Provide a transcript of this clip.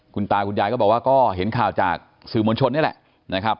คุณตาคุณยายก็บอกว่าก็เห็นข่าวจากสื่อมวลชนนี่แหละนะครับ